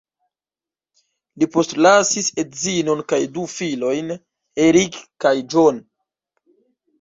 Li postlasis edzinon kaj du filojn, Erik kaj John.